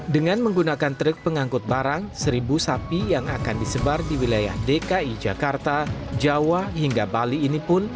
dengan menggunakan truk pengangkut barang seribu sapi yang akan disebar di wilayah dki jakarta jawa hingga bali ini pun